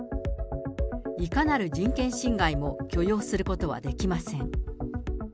いかなる人権侵害も許容することはできません。